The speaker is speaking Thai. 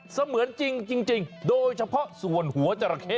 เสมือนจริงโดยเฉพาะส่วนหัวจราเข้